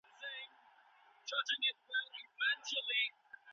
غمی په پوزه کي نه اچول کېږي.